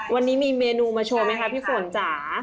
วันนี้มีเมนูมาโชว์ไหมคะพี่ฝนจ๋า